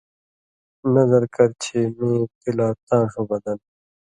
نذر کر چھی میں تِلا تاں ݜُو بدن